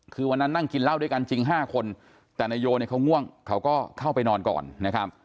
คือวันนั้นนั่งกินเหล้าด้วยกันจริง๕คนแต่นายโยเนี่ยเขาง่วงเขาก็เข้าไปนอนก่อนนะครับ